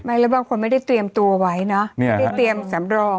แล้วบางคนไม่ได้เตรียมตัวไว้เนอะไม่ได้เตรียมสำรอง